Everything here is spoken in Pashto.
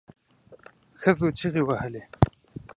ښځو چیغې وهلې.